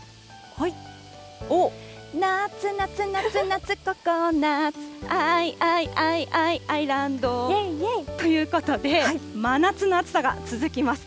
ココナッツ、愛愛愛愛アイランド。ということで、真夏の暑さが続きます。